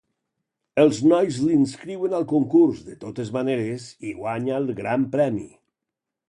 Els nois l'inscriuen al concurs de totes maneres i guanya el gran premi.